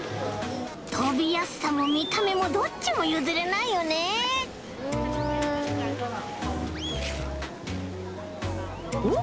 とびやすさもみためもどっちもゆずれないよねおっ？